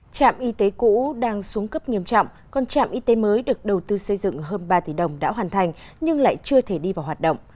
trạm y tế cũ đang xuống cấp nghiêm trọng còn trạm y tế mới được đầu tư xây dựng hơn ba tỷ đồng đã hoàn thành nhưng lại chưa thể đi vào hoạt động